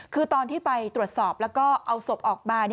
คือตอนที่ไปตรวจสอบแล้วก็เอาศพออกมา